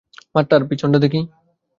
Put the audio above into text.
মাথার পিছনটা দেখি?